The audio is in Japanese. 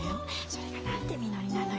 それが何でみのりなのよ。